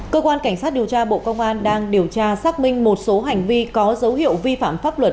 cơ quan cảnh sát điều tra bộ công an đang điều tra xác minh một số hành vi có dấu hiệu vi phạm pháp luật